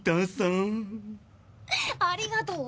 ありがとう！